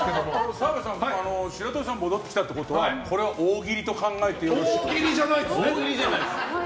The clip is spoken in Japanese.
澤部さん、白鳥さんが戻ってきたということはこれは大喜利と考えてよろしいですか？